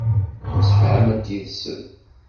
Msefhament yid-sen.